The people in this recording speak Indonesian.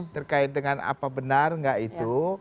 terkait dengan apa benar enggak itu